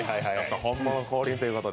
本物降臨ということで。